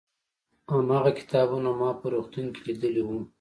هماغه کتابونه ما په روغتون کې لیدلي وو.